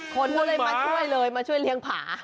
คนก็เลยมาช่วยเลยมาช่วยเลี้ยงผา